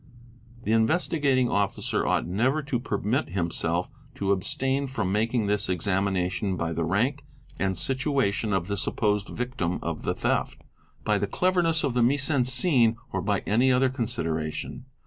The Investigating " Officer ought never to permit himself to abstain from making this exam : ination by the rank and situation of the supposed victim of the theft, } 20 THE INVESTIGATING OFFICER by the cleverness of the mise en scene, or by any other consideration.